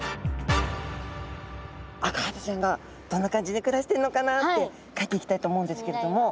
アカハタちゃんがどんな感じで暮らしているのかなって描いていきたいと思うんですけれども。